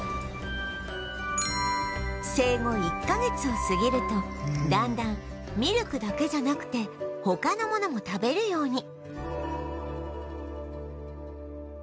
生後１カ月を過ぎるとだんだんミルクだけじゃなくて他のものも食べるように